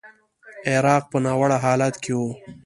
عراق په ناوړه حالت کې و.